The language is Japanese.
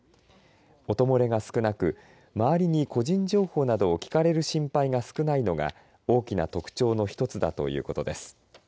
音漏れが少なく周りに個人情報などを聞かれる心配が少ないのが大きな特徴の１つだということです。